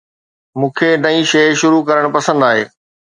مون کي نئين شيء شروع ڪرڻ پسند آهي